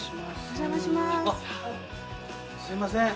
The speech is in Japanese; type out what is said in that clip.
すいません。